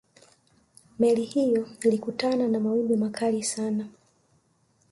meli hiyo ilikutana na mawimbi makali sana